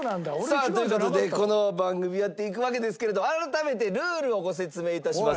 さあという事でこの番組やっていくわけですけれど改めてルールをご説明致します。